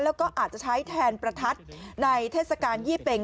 แล้วก็อาจจะใช้แทนประทัดในเทศกาลยี่เป็ง